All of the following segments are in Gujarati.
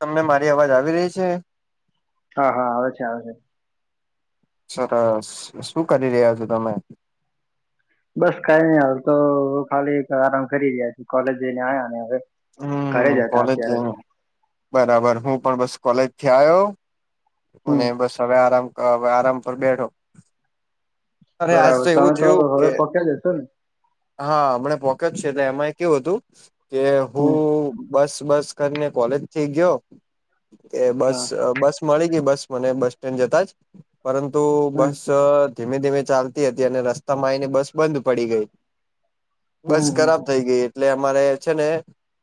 તમને મારી અવાજ આવી રહી છે. હા હા આવે છે આવે છે. સરસ શું કરી રહ્યા છો તમે. બસ કાઈ નઈ હાલ તો હ ખાલી આરામ કરી રહ્યા છું કોલેજ જઈને આયા ને હવે. ઘરે હમ્મ જ હતા કોલેજ અત્યારે તો બરાબર હું પણ બસ કોલેજ થી આયો. હમ અને બસ હવે આરામ અ આરામ પર બેઠો. અરે આજ બરાબર તમે એવું તો થયું હવે કે પોક્યા જશો ને. હા હમને પોક્યો છે એટલે એમાં કેવું હતું કે હું હમ બસ બસ કરીને કોલેજ થી ગ્યો કે બસ હા અ બસ મળી ગઈ બસ મને બસ સ્ટેન્ડ જતા જ પરંતુ હમ બસ ધીમે-ધીમે ચાલતી હતી અને રસ્તા માં આવીને બસ બંધ પડી ગઈ. બસ હમ હમ ખરાબ થઈ ગઈ એટલે અમારે છે ને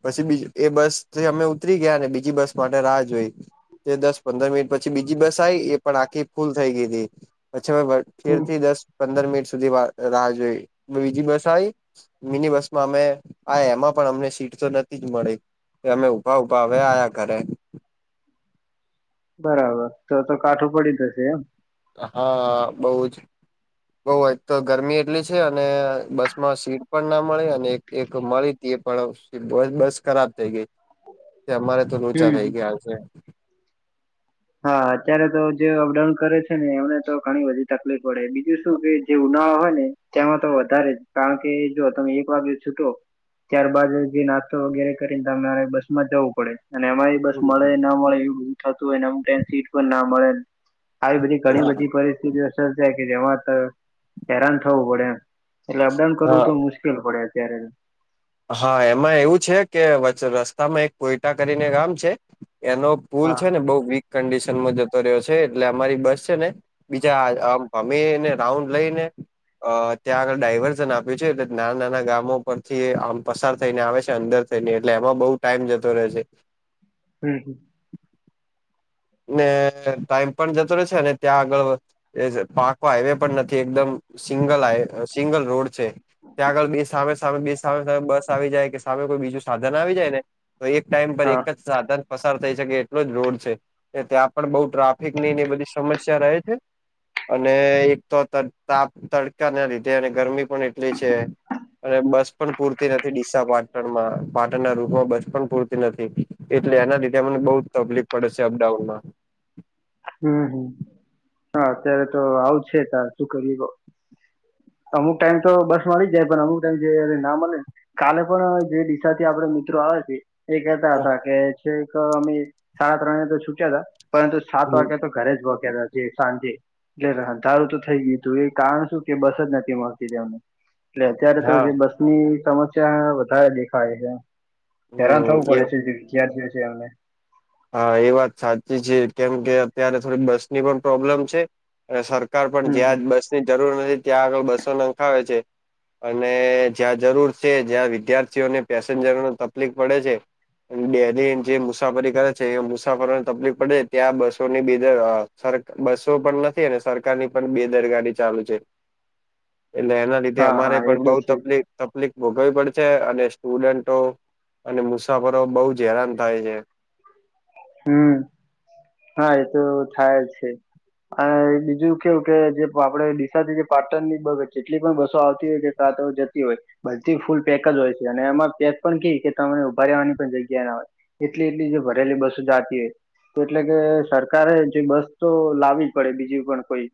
પછી બી એ બસ થી અમે ઉતરી ગયા ને બીજી બસ માટે રાહ જોઈ. તે દસ પંદર મિનિટ પછી બીજી બસ આઈ એ પણ આખી ફૂલ થઈ ગઈતી પછી અમે તેર હમ. થી દસ પંદર મિનિટ સુધી વા રાહ જોઈએ બીજી બસ આવી મિની બસમાં અમે આયા એમાં પણ અમને સીટ તો નતી જ મળી. અમે ઉભા ઉભા હવે આયા ઘરે. બરાબર તો તો કાઠું પડી જશે એમ. હા બઉ જ. બઉ એક તો ગરમી એટલી છે અને બસ માં સીટ પણ ના મળે અને એક. એક મળી તે પણ બ-બસ ખરાબ થઈ ગઈ. તે અમારે તો લોચા હમ હમ. થઈ ગયા આજે. હા અત્યારે તો જે અપડાઉન કરે છે ને એમને તો ઘણી બધી તકલીફ પડે બીજું શું કે જે ઉનાળા હોય ને. તેમાં તો વધારે કારણ કે જો તમે એક વાગે છૂટો. ત્યારબાદ જે નાસ્તો વગેરે કરીને તમારે બસ માં જવું પડે અને એમાય. બસ મળે ના મળે એવું બધું થતું હોય ને અમુક ટાઈમે સીટ પણ ના મળેન. આવી બધી ઘણી હા. બધી પરિસ્થિતિઓ સર્જાય કે જેમાં હેરાન થવું પડે એમ. એટલે અપડાઉન હા કરવું તો મુશ્કેલ પડે અત્યારે. હા એમાં એવું છે કે વચ રસ્તામાં એક કોયટા કરીને ગામ છે એનો પુલ હા છે ને બઉ વીક કન્ડિશનમાં જતો રહ્યો છે એટલે અમારી બસ છે ને. બીજા આમ ભમીને રાઉન્ડ લઈ ને. અ ત્યાં આગળ ડાયવર્સન આપ્યું છે એટલે નાના નાના ગામો પરથી આમ. પસાર થઈ ને આવે છે અંદર થઈને એટલે એમાં બઉ ટાઈમ જતો રહે છે. હમ્મ હ. ને ટાઈમ પણ જતો રેશે ને ત્યાં આગળ. એજ પાકો હાઈવે પણ નથી એકદમ સિંગલ હાઈ સિંગલ રોડ છે. ત્યાં આગળ બે સામે સામે બે સામે સામે બસ આવી જાય કે સામે કોઈ બીજું સાધન આવી જાય ને. તો એક ટાઈમ પર હા. એક જ સાધન પસાર થઈ શકે એટલો જ રોડ છે ત્યાં પણ બઉ ટ્રાફિકની ને એ બધી સમસ્યા રહે છે. અને એક તો તડ-તાપ તડકાના લીધે અને ગરમી પણ એટલી છે. અને બસ પણ પૂરતી નથી ડીસા પાટણમાં પાટણના રૂટમાં બસ પણ પૂરતી નથી. એટલે એના લીધે અમને બઉ જ તપલીફ પડે છે અપડાઉનમાં. હમ્મ હમ્મ હા અત્યારે તો આવું છે તાર શું કરીએ કો. અમુક ટાઈમ તો બસ મળી જાય પણ અમુક ટાઈમ જે ના મલેન. કાલે પણ જે ડીસાથી આપડા મિત્રો આવે છે. એ કહેતા હતા કે છેક અમી સાડા ત્રણે તો છૂટ્યા હતા પરંતુ સાત હમ વાગે તો. ઘરે જ પોંક્યા હતા તે સાંજે એટલે રંધારું તો થઈ ગયું તું એ કારણ શું કે બસ જ નથી મળતી તેમને એટલે અત્યારે તો હા જે બસ ની સમસ્યા વધારે દેખાય છે એમ હેરાન થવું હમ એ પડે છે. ક્યારથી છે એમને. હા એ વાત સાચી છે કેમ કે અત્યારે થોડી બસની પણ પ્રોબ્લેમ છે. અને સરકાર પણ હમ જ્યાં બસની જરૂર નથી ત્યાં આગળ બસો નંખાવે છે. અને જ્યાં જરૂર છે જ્યાં વિદ્યાર્થીઓને પેસેન્જરોને તપલીફ પડે છે. ન ડેઈલી જે મુસાફરી કરે છે એ મુસાફરોને તપલીફ પડે ત્યાં બસોની બેદર અ સર બસો પણ નથ થે ને સરકાર ની પણ બે દરગાારી ચાલુ છે. [inaudible] એટલે એના લીધે હા અમારે હા એ પણ તો બઉ છે તપલિક તપલીફ ભોગવી પડે છે અને સ્ટુડન્ટો અને મુસાફરો બઉ જ હેરાન થાય છે. હમ્મ હા એતો થાય જ છે. અને બીજું કેવું કે જે પાપડે ડીસાથી જે પાટણ ની બબ જેટલી પણ બસો આવતી હોય કે પાટણ જતી હોય. બધી ફૂલ પેક જ હોય છે અને એમાં પેજ પણ કેવી કે તમને ઉભા રેવાની પણ જગ્યા ના હોય. એટલી એટલી જે ભરેલી બસો જાતી હોય. એટલે કે સરકારે જે બસ તો લાવવી પડે બીજી પણ કોઈ.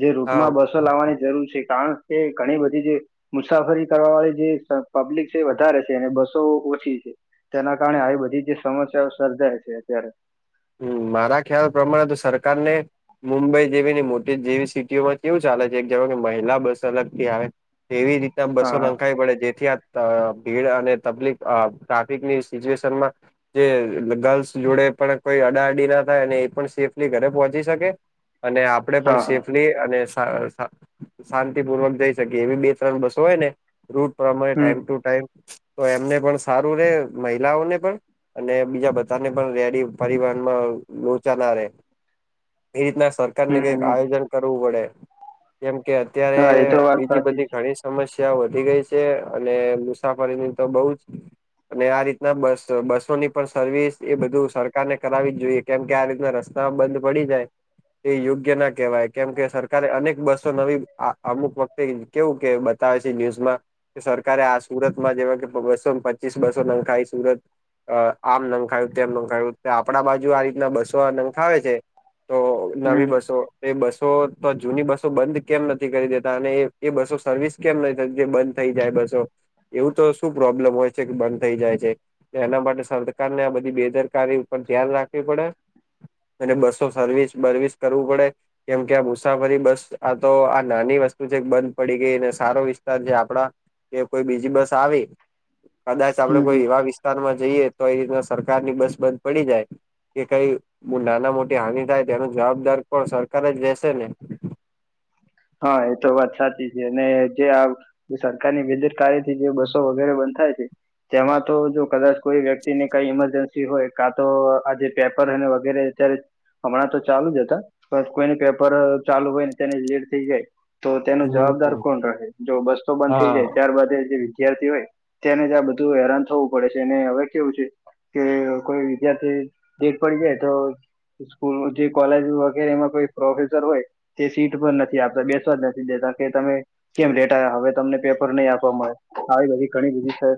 જે હા રૂટમાં બસો લાવવાની જરૂર છે કારણ કે ઘણી બધી જે મુસાફરી કરવા વાળી જે પબ્લિક છે વધારે છે અને બસો ઓછી છે. તેના કારણે આવી બધી જે સમસ્યાઓ સર્જાય છે અત્યારે. હમ મારા ખ્યાલ પ્રમાણે તો સરકાર ને મુંબઈ જેવીની મોટી જેવી સિટીઓમાં કેવું ચાલે છે જેવા કે મહિલા બસ અલગથી આવે. એવી રીતના હા બસો હા લંખાવી પડે જેથી આ અ ભીડ અને તકલીફ ટ્રાફિકની સિચ્યુએશનમાં. જે ગર્લ્સ જોડે પણ. કોઈ અડા અડી ના થાય અને એ પણ સેફલી ઘરે પહોંચી શકે અને આપ. આપણે પણ હા સેફલી અને શાંતિપૂર્વક જઈ શકીએ એવી બે ત્રણ બસો હોય ને. રૂટ પ્રમાણે હમ ટાઈમ ટુ ટાઈમ. તો એમને પણ સારું રે મહિલાઓને પણ અને બીજા બધાને પણ રેડી. પરિવહનમાં લોચા ના રહે એ રીતના સરકાર ને હમ કઈક હમ આયોજન. કરવું પડે જેમ કે અત્યારે હા એ તો વાત બીજી સાચી બધી છે ઘણી. સમસ્યા વધી ગઈ છે અને મુસાફરીની તો બહુ જ. અને આ રીતના બસ બસોની પણ સર્વિસ એ બધું સર. કારને કરાવવી જ જોઈએ કેમ કે આ રીતના રસ્તા બંધ પડી જાય. એ યોગ્ય ના કહેવાય કેમ કે સરકારે અનેક બસો નવી અમુક વ. કેવું કે બતાવે છે ન્યુઝમાં. કે સરકારે આ સુરત માં જેવા કે બસોને પચીસ બસો નખાયાઈ સુરત. અ આમ નખાયું તેમ નખાયું. ત આપણા બાજુ આ રીતના બસો નંખાવે છે તો નવી હમ બસો. એ બસો તો જૂની બસો બંધ કેમ નથી કરી દેતા અને એ બસો સર્વિસ કેમ નથી થતી જે બંધ. થઈ જાય બસો. એવું તો શું પ્રોબ્લેમ હોય છે કે બંધ થઈ જાય છે એના માટે સરકારને આ બધી બેદરકારી. પર ધ્યાન રાખવી પડે અને બસો સર્વીસ બર્વીસ કરવું પડે. કેમ કે આ મુસાફરી બસ આ તો આ નાની વસ્તુ છે બંધ પડી ગઈ ને સારો વિસ્તાર છે આપડા. કે કોઈ બીજી બસ આવી. કદાચ આપડે હમ કોઈ હમ એવા વિસ્તારમાં જઈએ તો એ રીતના સરકારની બસ બંધ પડી જાય. કે કઈ નાના મોટી હાનિ થાય તેનો જવાબદાર પણ સરકાર જ લેશે ને. હા એ તો વાત સાચી છે ને જે. સરકારની બેદરકારી થી જે બસો વગેરે બંધ થાય છે. તેમાં તો જો કદાચ કોઈ વ્યક્તિને કઈ ઈમરજન્સી હોય કાં તો આજે. પેપર અને વગેરે અત્યારે હમણાં તો ચાલુ જ હતા પણ કોઈને પેપર ચાલુ હોય ને તેની લીડ થઈ જાય તો તેનો જવાબદાર હમ કોણ રહે જો બસ્તો બંધ થઈ હા જાય ત્યારબાદ એ જે વિદ્યાર્થી હોય તેને જ આ બધું હેરાન થવું પડે છે અને હવે કેવું છે કે કોઈ વિદ્યાર્થી લેટ પડી જાય તો. સ્કૂલ જે કોલેજ વગેરે એમાં કોઈ પ્રોફેસર હોય તે સીટ પર નથી. આપડે બેસવા જ નથી દે તો કે તમે. કેમ લેટ આયા હવે તમને પેપર નહીં આપવા મળે આવી બધી ઘણી બધી છે.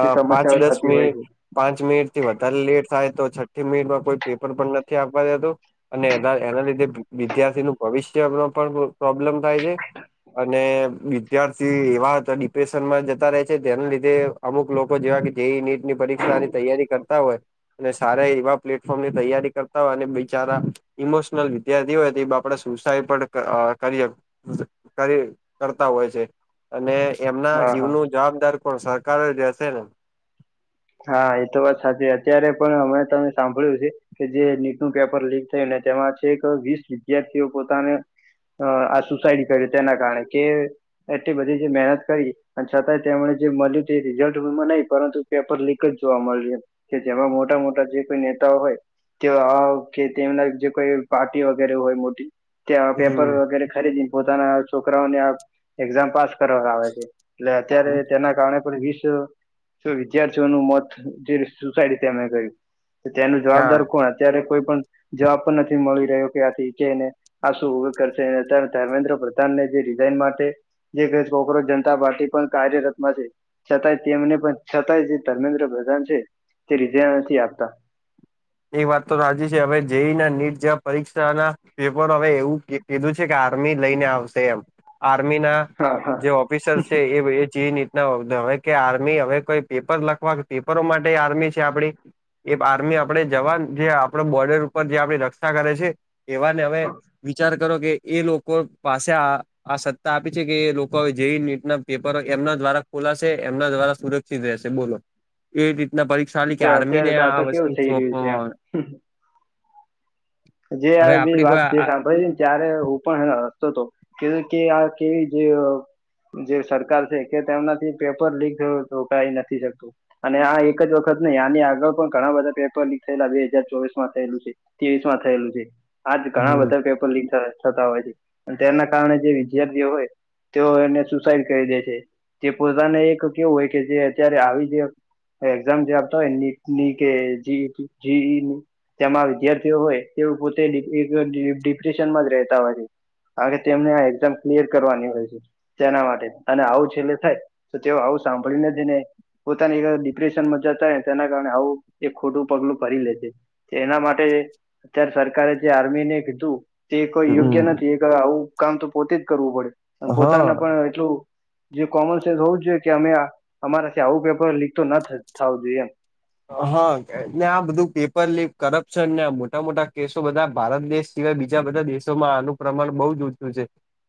જે પાંચ સમસ્યાઓ દસ થતી હોય મિનિટ. પાંચ મિનિટ થી વધારે લેટ થાય તો છઠ્ઠી મિનિટમાં કોઈ પેપર પણ નથી આપવા દેતુ. અને એના એના લીધે વિદ્યાર્થી નું ભવિષ્ય ન પણ પ્રોબ્લેમ થાય છે. અને વિદ્યાર્થી એવા તો ડિપ્રેશનમાં જતા રહે છે તેના લીધે. અમુક લોકો જેવા કે જે નીટ ની પરીક્ષાની તૈયારી કરતા હોય. અને સારા એવા પ્લેટફોર્મ ની તૈયારી કરતા હોય અને બિચારા. ઇમોશનલ વિદ્યાર્થી હોય તો એ આપડે સુસાઈડ પણ કરીએ. કરી કરતા હોય છે. અને એમના હા હા જીવનું જવાબદાર કોણ સરકાર રહેશે ને. હા એ તો વાત સાચી અત્યારે પણ અમે તમે સાંભળ્યું છે કે જે નીટનું પેપર લીક થયું ને તેમાં છે એક વીસ વિદ્યાર્થીઓ પોતાને અ આ સુસાઈડ કર્યો તેના કારણે કે એટલી બધી જે મહેનત કરી અને છતાંય તેમણે જે મળ્યું તે રિઝલ્ટ માં નહી પરંતુ પેપર લીક જ જોવા મળ્યું કે જેમાં મોટા મોટા જે કોઈ નેતાઓ હોય તેવ આવ કે તેમના જે કોઈ પાર્ટી વગેરે હોય મોટી ત્યાં પેપર વગેરે ખરીદીને પોતાના છોકરાઓને આ એક્ઝામ પાસ કરવામા આવે છે એટલે અત્યારે હમ તેના કારણે પણ વિશ સુવિધ વિદ્યાર્થીઓનું મોત જે સુસાઈડ તેમને કર્યું તેનું ના જવાબદાર કોણ અત્યારે કોઈ પણ જવાબ પણ નથી મળી રહ્યો કે આથી કેને આ શું હવે કરશે અત્યારે ધર્મેન્દ્ર પ્રધાન ને જે રિઝાઇન માટે જે કે છોકરો જનતા પાર્ટી પણ કાર્યરતમાં છે છતાંય તેમને પણ છતાંય જે ધર્મેન્દ્ર પ્રધાન છે તે રિઝાઇન નથી આપતા એ વાત તો રાજી છે હવે જેઈ ના નીટ જેવા પરીક્ષાના પેપર હવે એવું કીધું છે કે આર્મી લઈને આવશે એમ આર્મી ના હા હા જે ઓફિસર છે એ જી ના હવે કે આર્મી હવે કોઈ પેપર લખવા કે પેપરો માટે આર્મી છે આપડી એ બાર્મી આપ આપણે જવાન જે આપડે બોર્ડર ઉપર જે આપણી રક્ષા કરે છે એવાને હવે વિચાર કરો કે એ લોકો પાસે આ આ સત્તા આપી છે કે એ લોકો જેઈ નીટ પેપર એમના દ્વારા ખોલાશે એમના દ્વારા સુર સીધ રહેશે બોલો એ રીતના પરીક્ષાઆલી કે તો આર્મી ને અત્યારે તો આ તો કેવું વસ્તુ થઈ રહ્યું છે સોંપવામાં આ આવે જે હવે આ જે આપડી વાત કોઈ તે આ સાંભળી છે ન ત્યારે હું પણનો હસ્તો તો કેવી કે આ કેવી જેઅ જે સરકાર છે કે તેમનાથી પેપર લીક થયું તો કઈ નથી શકતું. અને આ એક જ વખત નહીં આની આગળ પણ ઘણા બધા પેપર લીક થયેલા બે હજાર ચોવીસ માં થયેલું છે તેવીસ માં થયેલું છે આજ ઘણા હમ બધા ક લીક થતા હોય છે તેના કારણે જે વિદ્યાર્થીઓ હોય તેઓ એને સુસાઈડ કરી દે છે તે પોતાને એક કેવું હોય કે જે અત્યારે આવી જે એક્ઝામ જે આપતા હોય નીટની કે જીઈની તેમાં વિદ્યાર્થીઓ તેઓ હોય તેઓ પોતે એક ડી ડિપ્રેશનમાં જ રહેતા હોય છે કાર કે તેમને આ એક્ઝામ ક્લિયર કરવાની હોય છે તેના માટે અને આવું છેલ્લે થાય તો તેઓ આવું સાંભળી નથી ને પોતાની એક ડિપ્રેશનમાં જતાને તેના કારણે આવું એક ખોટું પગલું ભરી લે છે એના માટે અત્યારે સરકારે જે આર્મી ને કીધું તે કોઈ યોગ્ય હમ નથી એ આવું કામ તો પોતે જ કરવું પડે પોતાને હા પણ એટલું જે કોમન સેન્સ હોવું જ જોઈએ કે અમે અમારે થી આવું પેપર લીક તો ના થવું જોઈએમ હા ને આ બધું પેપર લીક કરપ્શન ને મોટા મોટા કેસો બધા ભારત દેશ સિવાય બીજા બધા દેશોમાં આનું પ્રમાણ બહુ જ ઓછું છે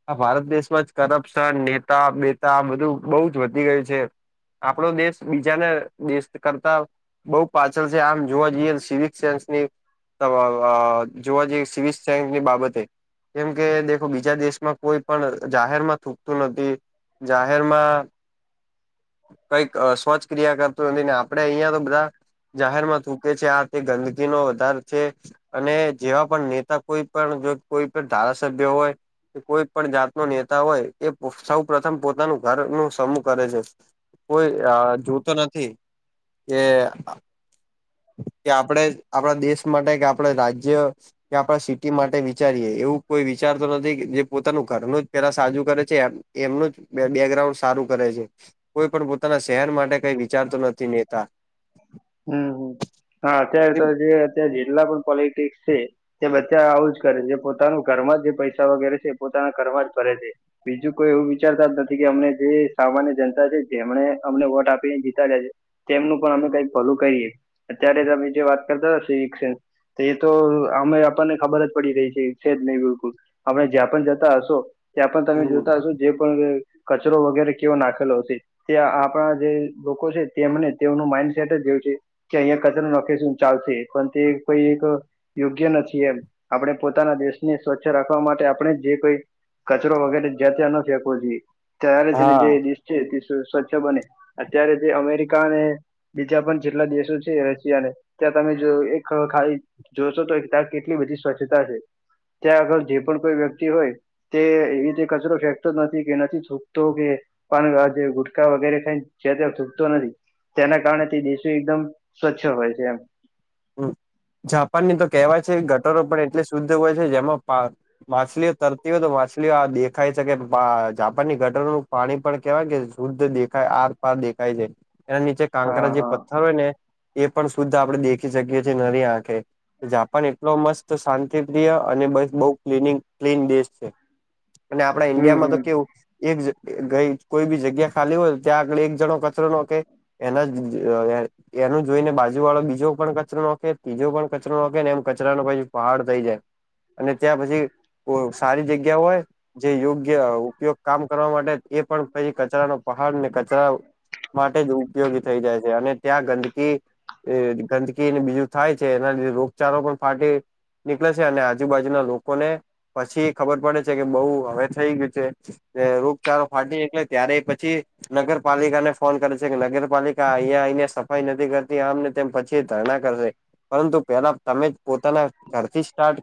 આ ભારત દેશમાં જ કરપ્શન નેતા બેતા બધું બહુ જ વધી ગયું છે આપડો દેશ બીજાને દેશ કરતા બહુ પાછળ છે આમ જોવા જઈએ સિવિક સેન્સની અ આ જોવા જઈએ સિવિલ સાયન્સની બાબતે કેમ કે દેખો બીજા દેશમાં કોઈ પણ જાહેર માં થૂકતું નથી જાહેરમાં કઈક સ્વચક્રિયા કરતું નથીને આપણે અહિયા તો બધું બધાં જાહેર માં થુકે છે આ તે ગંદકીનો વધારો છે અને જેવા પણ નેતા કોઈ પણ જો કોઈ પણ ધારાસભ્ય હોય કોઈ પણ જાત નો નેતા હોય એ સૌ પ્રથમ પોતાનું ઘર ન સમૂહ કરે છે કોઈ જોતો નથી જે જે આપણે આપણા દેશ માટે કે આપડ રાજ્ય કે આપણે સિટી માટે વિચારીએ એવું કોઈ વિચારતો નથી કે જે પોતાનું ઘરનું જ પેલા સાજું કરે છે એમ એમનું જ બેકગ્રાઉન્ડ સારું કરે છે કોઈ પણ પોતાના શહેર માટે કઈ વિચારતો નથી નેતા હમ્મ હમ્મ હા અત્યારે એ તો જે અત જેિલ્લા પણ પોલિટિક્સ છે તે બધ આવ જ કરે જે પોતાનું ઘરમાં જ જે પૈસા વગેરે છે એ પોતાના ઘરમાં જ ભરે છે બીજું કોઈ એવું વિચારતા જ નથી કે અમને જે સામાન્ય જનતા છે જેમને અમને વોટ આપીને જીતા જાય છે તેમનું પણ અમે કઈ ફોલ કરીએ અત્યારે અમે જે વાત કરતા હતા એ તો અમે આપણને ખબર જ પડી રહી છે છે જ નહી બિલકુલ આપણે જ્યાં પણ જતા હશો ત્યાં પણ તમે હમ જોતા હશો જે પણ કચરો વગેરે કેવો નાખેલો હશે તે આપણા જે લોકો છે તેમને તેમનું માઇન્ડ જેું છે કે અહિયાં કચરા નોકરી શું ચાલશે પણ તે કોઈ એક યોગ્ય નથી એમ આપણે પોતાના દેશને સ્વચ્છ રાખવા માટે આપણે જે કોઈ કચરો વગેરે જયા ત્યાં ન ફેંકવો જાયે ત્યારે જને હા જે દેશ છે તે સ્વચ્છ બને અત્યારે જે અમેરિકાને બીજા પણ જેટલા દેશો છે રશિયા ને ત્યાં તમે જો એક ખ જોશો તો એક ત્યાં કેટલી બધી સ્વચ્છતા છે ત્યાં આગળ જે પણ કોઈ વ્યક્તિ હોય તે એ રીતે કચરો ફેંકતો જ નથી કે નથી થૂકતો કે પાણી જે ગુટખા વગેરે થાય જે તે થૂકતો નથી તેના કારણે દેશો એકદમ સ્વચ્છ હોય છે એમ જાપાન ની તો કેહેવાય છે ગટરો પણ એટલે શુદ્ધ હોય છે જેમાં માછલીઓ તરતી હોય તો માછલીઓ આ દેખાય છે કે જાપાનની ગટરનું પાણી પણ કેવાય કે શુદ્ધ દેખાય આર પાર દેખાય છે એના નીચે કાંકરા હા જે હા પથ્થર હોય ને એ પણ શુદ્ધ આપડે દેખી જગ્યાથી ન આંખે જાપાન એટલો મસ્ત શાંતિપ્રિય અને બ બહ ક્નિંગ ક્લીન દેશ છે અને આપણા હમ ઈન્ડિયામાં તો હમ કેવું એક કોઈ બી જગ્યા ખાલી હોય ત્યાં આગળ એક જણ કચરોનો કે એના એનું જોઈને બાજુ વાળો બીજો પણ કચરોખે તીજો પણ કચરો ઓખે ને એમ કચરા ન પછી પહાડ થઈ જાય અને ત્યાં પછી ઓ સારી જગ્યા હોય જે યોગ્ય ઉપયોગ કામ કરવા માટે એ પણ પછી કચરા ન પહાડ ને કચરા માટે જ ઉપયોગી થઈ જાય છે અને ત્યાં ગંદકી ગંદકી ને બીજું થાય છે એના લીધે રોગચાળો પણ ફાટે નીકળે છે અને આજુબાજુના લોકોને પછી ખબર પડે છે કે બઉ હવે થઈ ગયું છે. રોગચાળો ફાટી એટલે ત્યારે પછી નગરપાલિકાને ફોન કરે છે કે નગરપાલિકા અહંયા અને સફાઈ નથી કરતી આમને તેમ પછી કર પરંતુ પેલા તમે પોતાના ઘરથી સ્ટાર્ટ કરો.